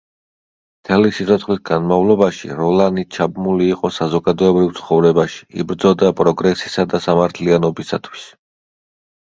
მთელი სიცოცხლის განმავლობაში როლანი ჩაბმული იყო საზოგადოებრივ ცხოვრებაში, იბრძოდა პროგრესისა და სამართლიანობისათვის.